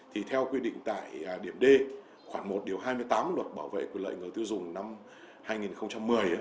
thì theo quy định tại điểm d khoảng một điều hai mươi tám luật bảo vệ quyền lợi người tiêu dùng năm hai nghìn một mươi